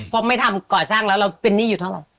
เพราะไม่ทำก่อสร้างแล้วเราเป็นหนี้อยู่เท่าไหร่